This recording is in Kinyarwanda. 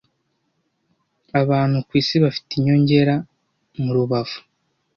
abantu kwisi bafite inyongera mu Urubavu